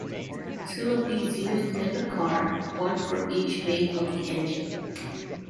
Two of these used in the car: one for each bank of the engine.